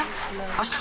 あした？